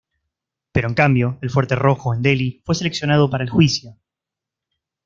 Pero en cambio, el Fuerte Rojo en Delhi fue seleccionado para el juicio.